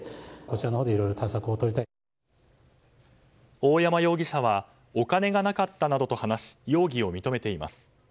大山容疑者はお金がなかったなどと話し容疑を認めています。